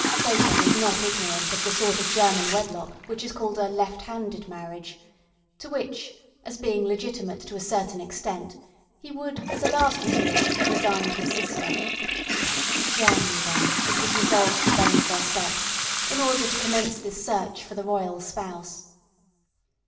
Seyton was not ignorant of the sort of German wedlock which is called a "left handed marriage," to which, as being legitimate to a certain extent, he would, as a last resource, have resigned his sister. To Germany, then, it was resolved to bend their steps, in order to commence this search for the royal spouse.